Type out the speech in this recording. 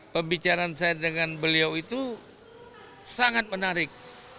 pembicaraan saya dengan beliau itu sangat menarik